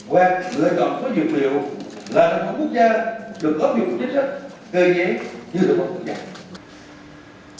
quên lựa chọn số dược liệu là sản phẩm quốc gia được ấp dụng chất sách